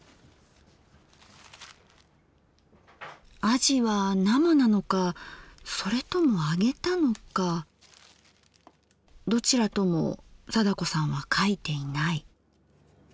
あじは生なのかそれとも揚げたのかどちらとも貞子さんは書いていない。